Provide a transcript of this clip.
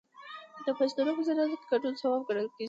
د پښتنو په جنازه کې ګډون ثواب ګڼل کیږي.